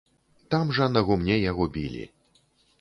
Там жа на гумне яго білі.